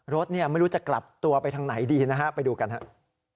รถไม่รู้จะกลับตัวไปทางไหนดีนะครับไปดูกันครับ